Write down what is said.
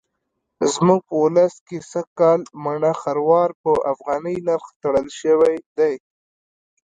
زموږ په ولس کې سږکال مڼه خروار په افغانۍ نرخ تړل شوی دی.